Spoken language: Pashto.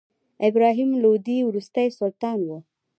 ابراهیم لودي وروستی سلطان و.